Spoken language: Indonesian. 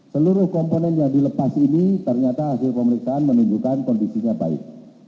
seluruh komponen yang dilepas ini ternyata hasil pemeriksaan menunjukkan kondisinya baik